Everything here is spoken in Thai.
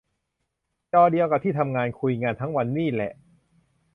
จอเดียวกับที่ทำงาน คุยงานทั้งวันนี่แหละ